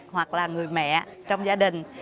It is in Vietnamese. hoặc là người mẹ trong gia đình